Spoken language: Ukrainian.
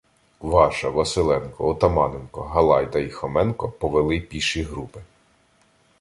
Кваша, Василенко, Отаманенко, Галайда і Хоменко повели піші групи.